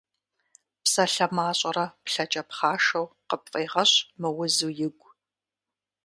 Псалъэ мащӏэрэ плъэкӏэ пхъашэу, къыпфӏегъэщӏ мыузу игу.